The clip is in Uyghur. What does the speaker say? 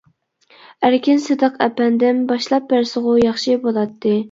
ئەركىن سىدىق ئەپەندىم باشلاپ بەرسىغۇ ياخشى بولاتتى.